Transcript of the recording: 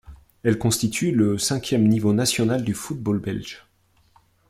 Elle constitue le cinquième niveau national du football belge.